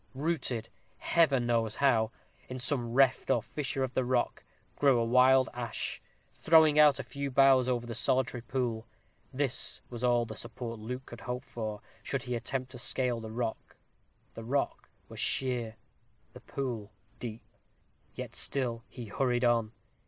Rooted Heaven knows how! in some reft or fissure of the rock, grew a wild ash, throwing out a few boughs over the solitary pool; this was all the support Luke could hope for, should he attempt to scale the rock. The rock was sheer the pool deep yet still he hurried on.